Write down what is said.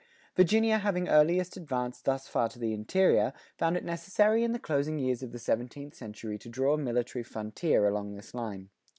Virginia having earliest advanced thus far to the interior, found it necessary in the closing years of the seventeenth century to draw a military frontier along this line.